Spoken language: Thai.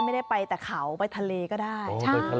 ไม่ได้ไปแต่เขาไปทะเลก็ได้